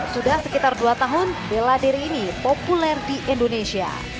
sudah sekitar dua tahun bela diri ini populer di indonesia